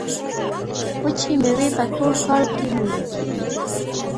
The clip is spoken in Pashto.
وچې میوې په ټول کال کې موندل کیږي.